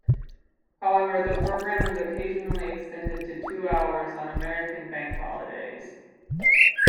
However, the programme is occasionally extended to two hours on American bank holidays.